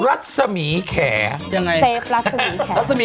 รัศมีแขนยังเซฟอยู่ไหม